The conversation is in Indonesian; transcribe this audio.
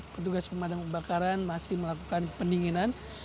petugas pemadam kebakaran masih melakukan pendinginan